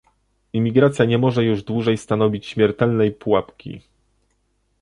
Imigracja nie może już dłużej stanowić śmiertelnej pułapki